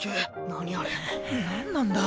何なんだ？